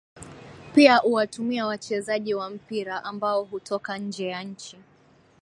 pia uwatumia wachezaji wa mpira ambao hutoka nje ya nchi